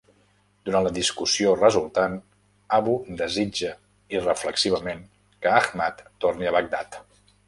Durant la discussió resultant, Abu desitja irreflexivament que Ahmad torni a Bagdad.